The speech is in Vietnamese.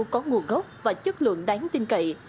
có nguồn gốc và chất lượng đáng tin cậy